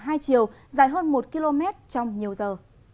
nhiều chiều dài hơn một km trong nhiều giờ